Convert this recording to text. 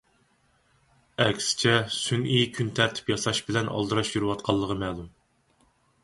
ئەكسىچە سۈنئىي كۈن تەرتىپ ياساش بىلەن ئالدىراش يۈرۈۋاتقانلىقى مەلۇم.